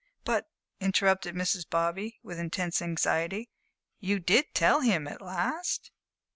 "But," interrupted Mrs. Bobby, with intense anxiety, "you did tell him, at last?"